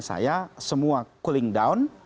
saya semua cooling down